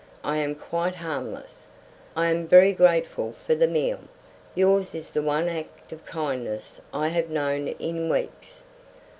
I am quite harmless. I am very grateful for the meal. Yours is the one act of kindness I have known in weeks.